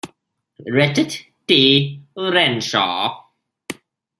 Richard T. Renshaw.